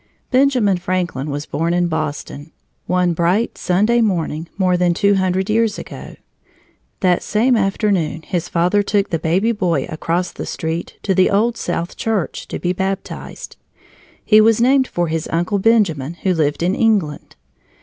Benjamin Franklin was born in Boston, one bright Sunday morning more than two hundred years ago. That same afternoon his father took the baby boy across the street to the Old South Church, to be baptized. He was named for his uncle Benjamin, who lived in England.